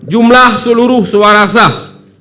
jumlah seluruh suara sah